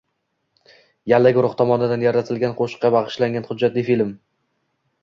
“Yalla” guruhi tomonidan yaratilgan qo‘shiqqa bag‘ishlangan hujjatli film